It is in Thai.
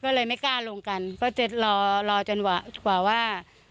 ก็เลยไม่กล้าลงกันก็จะรอรอจนกว่าว่า